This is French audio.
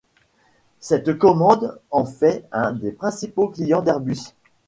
Cette commande en fait un des principaux clients d'Airbus.